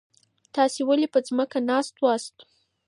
تاسي ولي په مځکي ناست سواست؟